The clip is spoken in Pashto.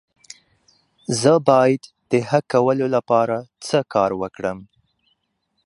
زه باید د ښه کولو لپاره څه کار وکړم؟